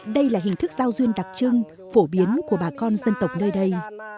đây là hình thức giao duyên đặc trưng phổ biến của bà con dân tộc nơi đây